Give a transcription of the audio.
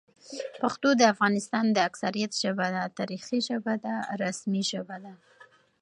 پښتو د افغانستان د اکثریت ژبه ده، تاریخي ژبه ده، رسمي ژبه ده